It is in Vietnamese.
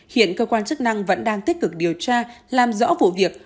hiện cơ quan chức năng vẫn đang tích cực điều tra làm rõ vụ việc